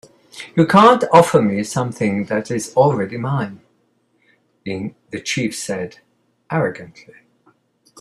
"You can't offer me something that is already mine," the chief said, arrogantly.